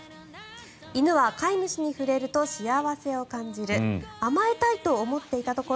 犬は飼い主に触れると幸せを感じる甘えたいと思っていたところ